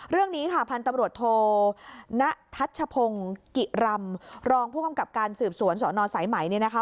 เรื่องนี้ค่ะพันธุ์ตำรวจโทณทัชพงศ์กิรำรองผู้กำกับการสืบสวนสนสายไหมเนี่ยนะคะ